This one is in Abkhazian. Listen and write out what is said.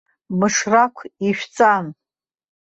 Мышрақә ишәҵан.